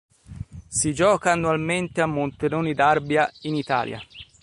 Si gioca annualmente a Monteroni d'Arbia in Italia.